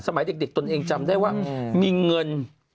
สมัยเด็กตนเองจำได้ว่ามีเงิน